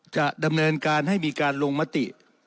จะดำเนินการให้มีการลงมติ